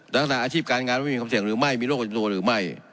แล้วถ้าอาชีพการงานมันไม่มีความเสี่ยงหรือไม่มีโรคตัวหรือไม่